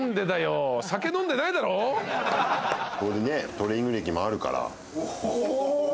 トレーニング歴もあるから。